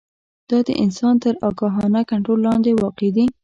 دا د انسان تر آګاهانه کنټرول لاندې واقع دي.